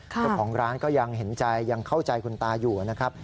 เจ้าของร้านก็ยังเห็นใจยังเข้าใจคุณตาอยู่นะครับ